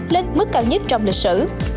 lên mức cao nhất trong lịch sử